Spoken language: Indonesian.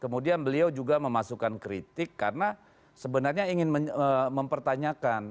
kemudian beliau juga memasukkan kritik karena sebenarnya ingin mempertanyakan